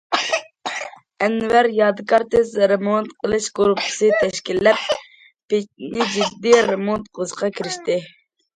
ئەنۋەر يادىكار تېز رېمونت قىلىش گۇرۇپپىسى تەشكىللەپ، پېچنى جىددىي رېمونت قىلىشقا كىرىشتى.